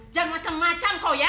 jangan macem macem kau ya